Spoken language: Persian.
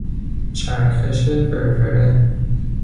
چرخش فرفره